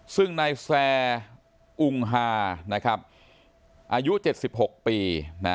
ซึ่งในแซร์อุงฮานะครับอายุเจ็ดสิบหกปีนะ